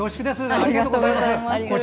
ありがとうございます。